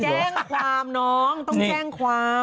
แจ้งความน้องต้องแจ้งความ